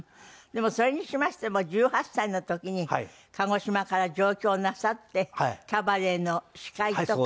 でもそれにしましても１８歳の時に鹿児島から上京なさってキャバレーの司会とか。